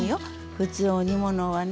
普通お煮物はね